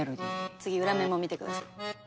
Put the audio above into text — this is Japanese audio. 次裏面も見てください。